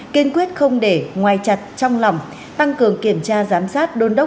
kiên quyết không để ngoài chặt trong lòng tăng cường kiểm tra giám sát đôn đốc